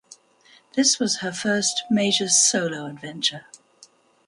This was her first major solo adventure.